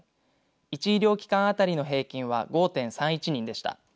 １医療機関当たりの平均は５．３１人でした。